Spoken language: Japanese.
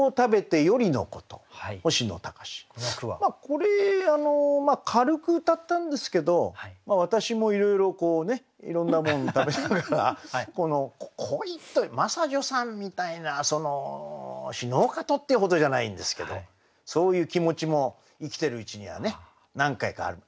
これ軽くうたったんですけど私もいろいろいろんなもん食べながらこの恋真砂女さんみたいな「死のうかと」っていうほどじゃないんですけどそういう気持ちも生きてるうちにはね何回かある。